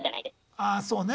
ああそうね。